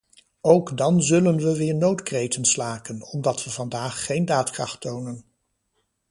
Ook dan zullen we weer noodkreten slaken, omdat we vandaag geen daadkracht tonen.